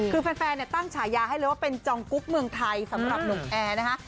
คือแฟนตั้งฉายาให้เลยว่าเป็นจองกุ๊กเมืองไทยสำหรับหนุ่มแอร์นะคะ